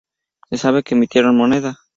Se sabe que emitieron moneda.